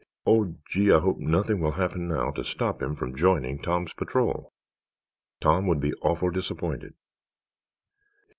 Oh, gee, I hope nothing will happen now to stop him from joining Tom's patrol. Tom would be awful disappointed."